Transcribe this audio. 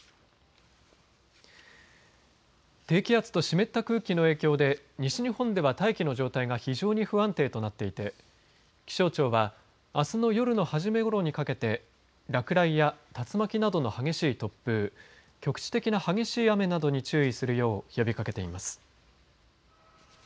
低気圧と湿った空気の影響で西日本では大気の状態が非常に不安定となっていて気象庁はあすの夜の初めごろにかけて落雷や竜巻などの激しい突風局地的な激しい雨などに注意するよう呼びかけています。